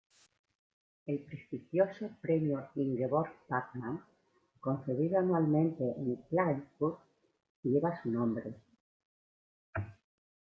El prestigioso Premio Ingeborg Bachmann, concedido anualmente en Klagenfurt, lleva su nombre.